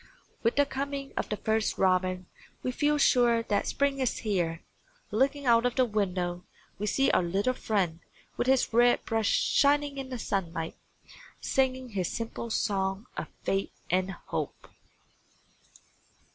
With the coming of the first robin we feel sure that spring is here. Looking out of the window, we see our little friend with his red breast shining in the sunlight, singing his simple song of faith and hope.